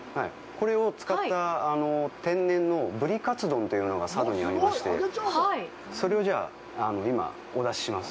これを使った天然のブリカツ丼というのが佐渡にありましてそれを今、お出しします。